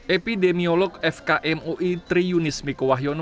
epidemiolog fkm ui tri yunis mikowahyono